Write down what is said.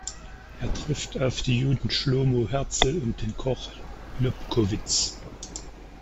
Er trifft auf die Juden Schlomo Herzl und den Koch Lobkowitz.